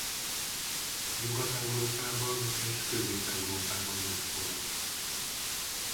Nyugat-Európában és Közép-Európában őshonos.